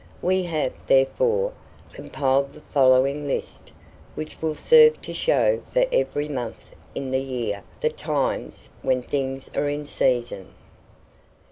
We have, therefore, compiled the following list, which will serve to show for every month in the year the TIMES WHEN THINGS ARE IN SEASON.